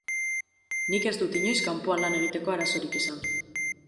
Nik ez dut inoiz kanpoan lan egiteko arazorik izan.